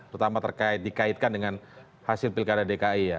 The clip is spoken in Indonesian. terutama dikaitkan dengan hasil pilkada dki ya